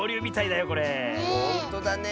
ほんとだね。